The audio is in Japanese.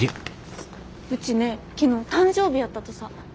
うちね昨日誕生日やったとさ。